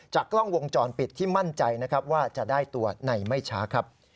กล้องวงจรปิดที่มั่นใจนะครับว่าจะได้ตัวในไม่ช้าครับ